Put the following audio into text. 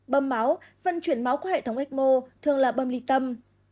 bầm máu phần chuyển máu của hệ thống ecmo thường là bầm